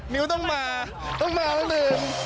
นิ้วต้องมาต้องมาตั้งแต่น